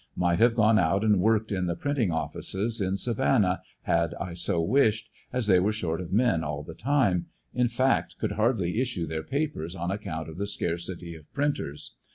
Might have gone out and worked in the printing offices in Savannah had I so wished, as they were short of men all the time, in fact could hardly issue their papers on account of the scarcity of printers.